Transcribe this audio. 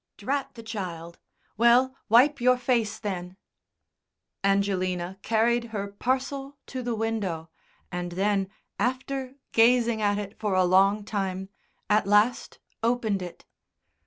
"Drat the child! Well, wipe your face, then." Angelina carried her parcel to the window, and then, after gazing at it for a long time, at last opened it.